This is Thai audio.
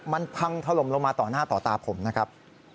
มันพังถล่มลงมาต่อหน้าต่อตาผมนะครับ